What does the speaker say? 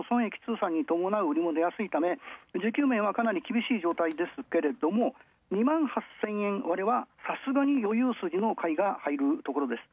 通産に伴う売りもでやすいため厳しい状態ですけれど２万８０００円割れはさすがに余裕かいが入るところです。